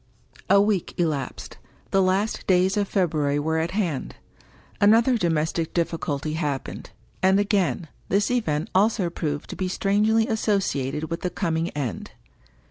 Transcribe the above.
* A week elapsed ; the last days of February were at hand. Another domestic difficulty happened ; and, again, this event also proved to be strangely associated with the coming end.